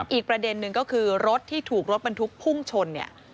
อีกประเด็นหนึ่งก็คือรถที่ถูกรถบันทุกข์พุ่งชน